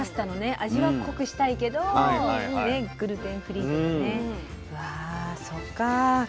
味は濃くしたいけどグルテンフリーとかね。